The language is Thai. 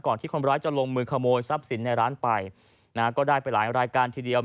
ที่คนร้ายจะลงมือขโมยทรัพย์สินในร้านไปนะฮะก็ได้ไปหลายรายการทีเดียว